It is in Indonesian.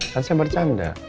kan saya bercanda